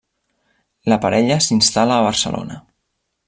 La parella s'instal·la a Barcelona.